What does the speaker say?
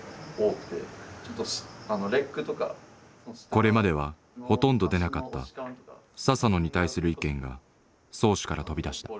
これまではほとんど出なかった佐々野に対する意見が漕手から飛び出した。